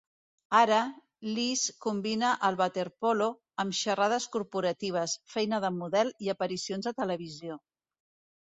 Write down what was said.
Ara, Liz combina el waterpolo amb xerrades corporatives, feina de model i aparicions a televisió.